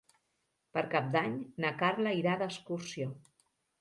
Per Cap d'Any na Carla irà d'excursió.